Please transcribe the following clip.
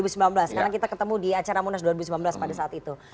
sekarang kita ketemu di acara munas dua ribu sembilan belas pada saat itu